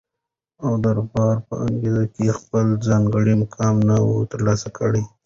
او ددربار په انګړ کي یې خپل ځانګړی مقام نه وو تر لاسه کړی